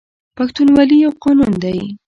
پښتونولي یو قانون دی